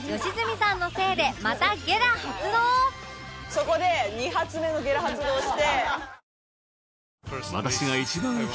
そこで２発目のゲラ発動して。